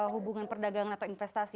hubungan perdagangan atau investasi